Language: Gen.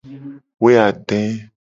Woeade.